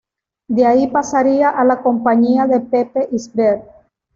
De ahí pasaría a la Compañía de Pepe Isbert.